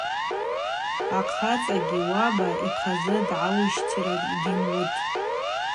Ахъацӏагьи уаба йхъазы дгӏаущтира гьуымуытӏ.